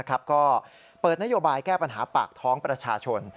ก็เปิดนโยบายแก้ปัญหาปากท้องประชาชน